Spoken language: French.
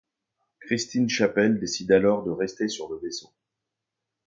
Christine Chapel décide alors de rester sur le vaisseau.